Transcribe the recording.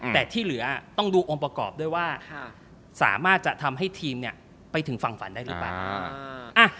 แต่ที่เหลือต้องดูองค์ประกอบด้วยว่าสามารถจะทำให้ทีมไปถึงฝั่งฝันได้หรือเปล่า